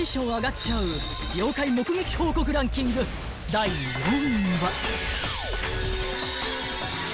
［第４位は］